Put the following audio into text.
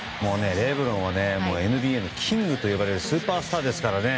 レブロンはＮＢＡのキングと呼ばれるスーパースターですからね。